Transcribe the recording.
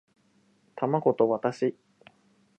やきとりとオムライス